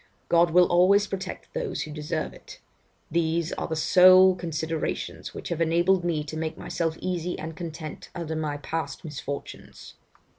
God will always protect those who deserve it. These are the sole considerations which have enabled me to make myself easy and content under my past misfortunes.